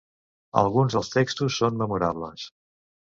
Alguns dels textos són memorables.